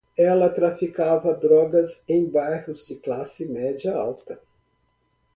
Ela traficava drogas em bairros de classe média alta